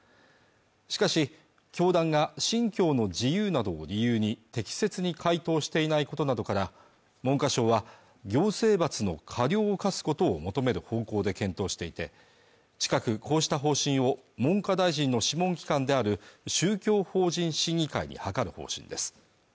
しかし教団が信教の自由などを理由に適切に回答していないことなどから文科省は行政罰の過料を科すことを求める方向で検討していて近くこうした方針を文科大臣の諮問機関である宗教法人審議会に諮る方針です